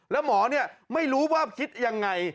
แล้วหมอไม่รู้ว่าคิดยังไง